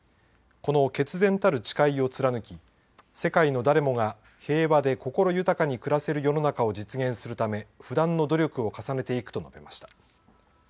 この決然たる誓いを貫き世界の誰もが平和で心豊かに暮らせる世の中を実現するため不断の努力を重ねていくと述べました。